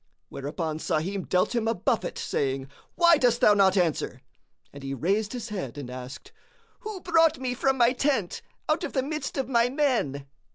Whereupon Sahim dealt him a buffet, saying, "Why dost thou not answer?" And he raised his head and asked, "Who brought me from my tent out of the midst of my men?"